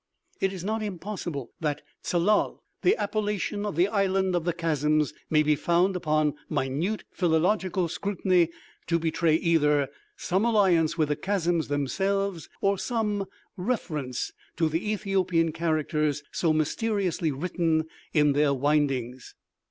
It is not impossible that "Tsalal," the appellation of the island of the chasms, may be found, upon minute philological scrutiny, to betray either some alliance with the chasms themselves, or some reference to the Ethiopian characters so mysteriously written in their windings.